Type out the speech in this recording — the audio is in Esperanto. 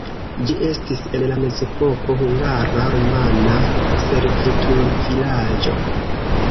Ĝi estis en la mezepoko hungara-rumana servutulvilaĝo.